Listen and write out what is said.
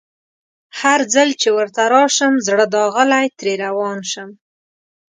هرځل چي ورته راشم زړه داغلی ترې روان شم